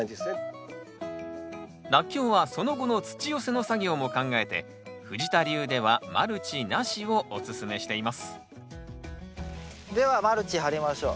ラッキョウはその後の土寄せの作業も考えて藤田流ではマルチなしをおすすめしていますではマルチ張りましょう。